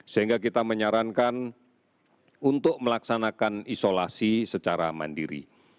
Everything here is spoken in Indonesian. sehingga kita menyarankan untuk melaksanakan isolasi secara mandiri